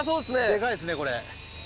でかいっすねこれ。